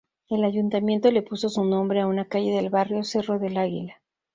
El ayuntamiento le puso su nombre a una calle del barrio Cerro del Águila.